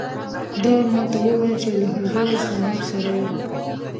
ده ما ته وویل چې له حضور صاحب سره وو.